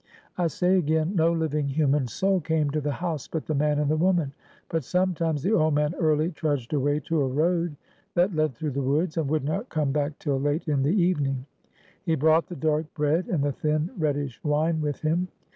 I say again, no living human soul came to the house but the man and the woman; but sometimes the old man early trudged away to a road that led through the woods, and would not come back till late in the evening; he brought the dark bread, and the thin, reddish wine with him.